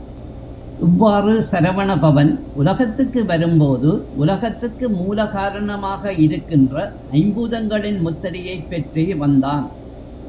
இவ்வாறு சரவணபவன் உலகத்துக்கு வரும்போது உலகத்துக்கு மூலகாரணமாக இருக்கின்ற ஐம்பூதங்களின் முத்திரையைப் பெற்றே வந்தான்.